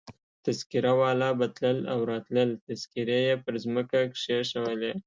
تذکیره والا به تلل او راتلل، تذکیرې يې پر مځکه کښېښولې.